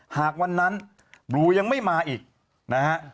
หากวันนั้นบลูยังไม่มาอีกนะฮะ